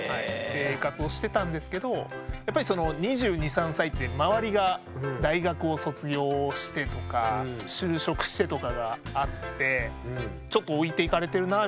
生活をしてたんですけどやっぱりその２２２３歳って周りが大学を卒業してとか就職してとかがあってちょっと置いていかれてるなみたいな。